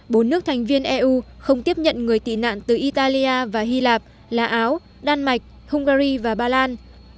bốn nước thành viên eu không tiếp nhận người tị nạn từ italia và hy lạp là áo đan mạch hungary và ba lan